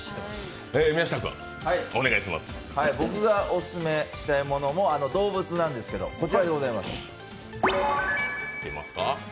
僕がオススメしたいものも動物なんですけれども、こちらでございます。